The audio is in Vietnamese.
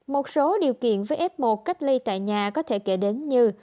một số điều kiện với f một cách ly tại nhà có thể kể đến như